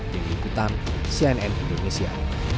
dikikutan cnn indonesia